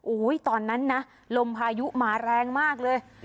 โอ้โหตอนนั้นนะลมพายุมาแรงมากเลย